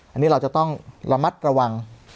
อันนี้เราจะต้องระมัดระวัง